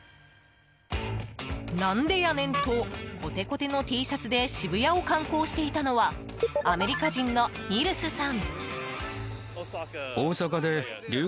なんでやねん？！とコテコテのＴシャツで渋谷を観光していたのはアメリカ人のニルスさん。